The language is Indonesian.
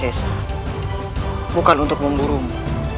tetap saling melupakan aku